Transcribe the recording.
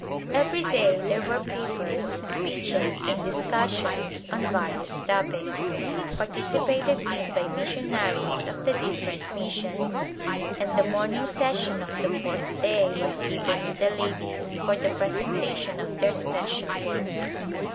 Every day there were papers, speeches and discussions on various topics, participated in by missionaries of the different missions, and the morning session of the fourth day was given to the ladies for the presentation of their special work.